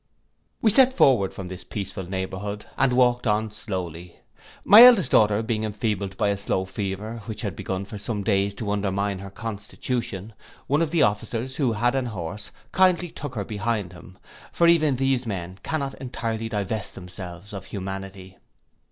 We set forward from this peaceful neighbourhood, and walked on slowly. My eldest daughter being enfeebled by a slow fever, which had begun for some days to undermine her constitution, one of the officers, who had an horse, kindly took her behind him; for even these men cannot entirely divest themselves of humanity.